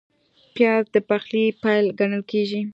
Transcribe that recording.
پیاز د پخلي پیل ګڼل کېږي